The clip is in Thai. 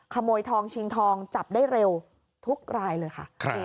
ขโมยทองชิงทองจับได้เร็วทุกรายเลยค่ะ